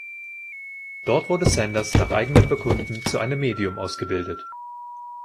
Dort wurde Sanders nach eigenem Bekunden zu einem Medium ausgebildet.